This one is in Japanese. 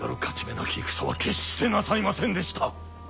なき戦は決してなさいませんでした。